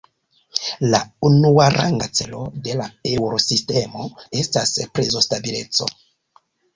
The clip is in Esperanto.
La unuaranga celo de la Eŭrosistemo estas prezostabileco.